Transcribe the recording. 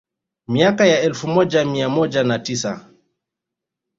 Miaka ya elfu moja mia moja na tisa